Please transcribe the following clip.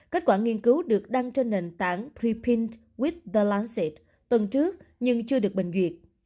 kết quả nghiên cứu được đăng trên nền tảng prepint with the lancet tuần trước nhưng chưa được bình duyệt